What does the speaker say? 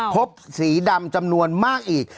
พบสีดำจำนวนมากอีก